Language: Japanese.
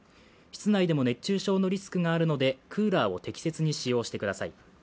室内でも熱中症のリスクがあるので、クーラーを適切に使用してください。